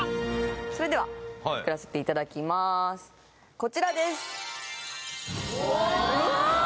それではめくらせていただきまーすこちらです・うわ